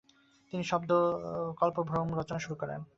তিনি শব্দকল্পদ্রূম রচনা শুরু করেন।